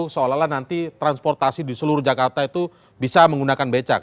seolah olah nanti transportasi di seluruh jakarta itu bisa menggunakan becak